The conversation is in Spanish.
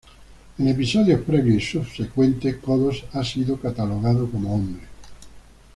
En episodios previos y subsecuentes, Kodos ha sido catalogado como hombre.